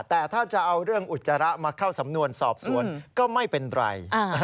แต่ถ้าจะเอาเรื่องอุจจาระมาเข้าสำนวนสอบสวนก็ไม่เป็นไร